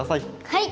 はい！